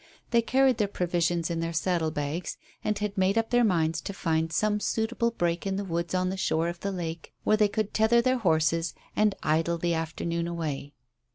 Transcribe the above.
They carried their provisions in their saddle bags, and had made up their minds to find some suitable break in the woods on the shore of the lake where they could tether their horses and idle the afternoon away.